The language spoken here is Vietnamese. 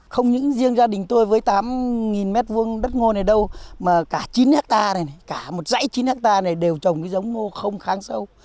không những riêng gia đình tôi với tám m hai đất ngô này đâu mà cả chín hectare này này cả một dãy chín hectare này đều trồng cái giống ngô không kháng sâu